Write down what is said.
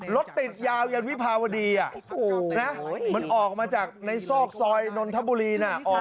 รถติดยาวยันวิภาวดีอ่ะโอ้โหนะเหมือนออกมาจากในซอกซอยนอนทะบุเรียนอ่ะ